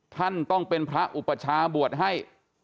ท่านต้องเป็นพระอุปชาบวชให้